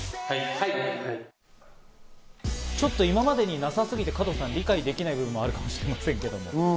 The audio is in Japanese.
ちょっと今までになさすぎて、加藤さん、理解できない部分もあるかもしれませんが。